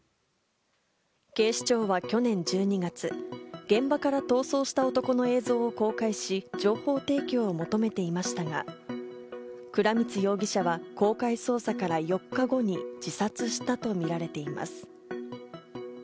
警視庁は去年１２月、現場から逃走した男の映像を公開し、情報提供を求めていましたが、倉光容疑者は公開捜査から４日後に自殺したとみられています。